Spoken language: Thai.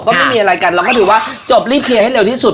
ก็ไม่มีอะไรกันเราก็ถือว่าจบรีบเคลียร์ให้เร็วที่สุด